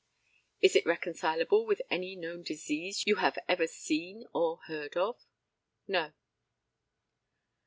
Is it reconcileable with any known disease you have ever seen or heard of? No.